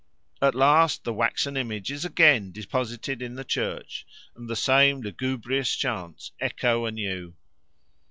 At last the waxen image is again deposited in the church, and the same lugubrious chants echo anew.